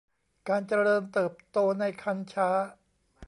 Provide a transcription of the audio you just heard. การเจริญเติบโตในครรภ์ช้า